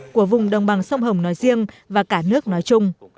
của vùng đồng bằng sông hồng nói riêng và cả nước nói chung